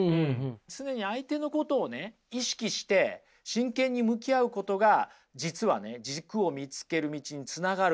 常に相手のことを意識して真剣に向き合うことが実は軸を見つける道につながるということなんですよ。